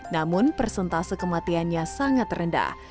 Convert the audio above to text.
namun persentase kematiannya sangat rendah